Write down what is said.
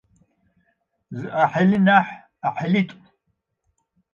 Zı akhıl nahi akhılit'u.